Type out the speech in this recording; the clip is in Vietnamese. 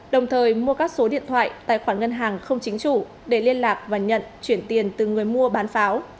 đồng thời mua các số điện thoại tài khoản ngân hàng không chính chủ để liên lạc và nhận chuyển tiền từ người mua bán pháo